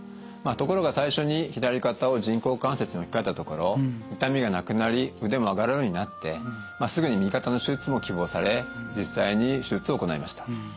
ところが最初に左肩を人工関節に置き換えたところ痛みがなくなり腕も上がるようになってすぐに右肩の手術も希望され実際に手術を行いました。